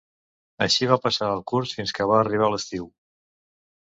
Així va passar el curs fins que va arribar l'estiu.